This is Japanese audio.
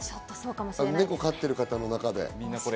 ネコ飼ってる方の中で。